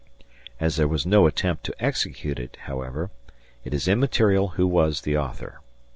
As there was no attempt to execute it, however, it is immaterial who was the author.